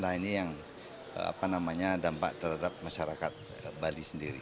nah ini yang dampak terhadap masyarakat bali sendiri